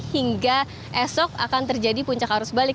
hingga esok akan terjadi puncak arus balik